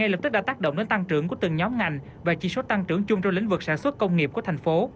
một lập tức đã tác động đến tăng trưởng của từng nhóm ngành và lãng ph keyboards sống trong lĩnh vực sản xuất công nghiệp của tp hcm